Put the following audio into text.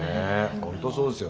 本当そうですよ。